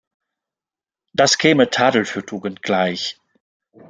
Das käme Tadel für Tugend gleich.